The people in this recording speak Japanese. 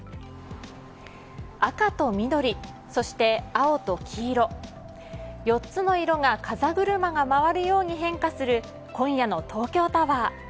赤と緑そして青と黄色４つの色が風車が回るように変化する今夜の東京タワー。